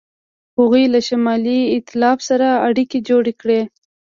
هغوی له شمالي ایتلاف سره اړیکې جوړې کړې.